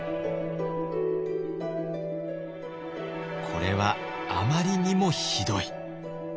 これはあまりにもひどい。